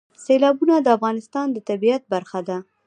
سیلابونه د افغانستان د طبیعت برخه ده.